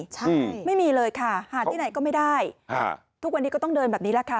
ใช่ไม่มีเลยค่ะหาที่ไหนก็ไม่ได้ทุกวันนี้ก็ต้องเดินแบบนี้แหละค่ะ